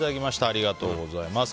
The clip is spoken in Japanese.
ありがとうございます。